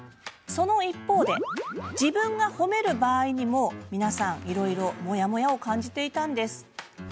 その一方で自分が褒める場合にも皆さん、いろいろモヤモヤを感じていたんです。